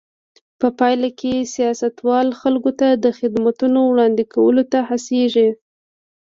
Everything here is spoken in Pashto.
په پایله کې سیاستوال خلکو ته د خدمتونو وړاندې کولو ته هڅېږي.